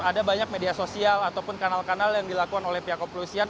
ada banyak media sosial ataupun kanal kanal yang dilakukan oleh pihak kepolisian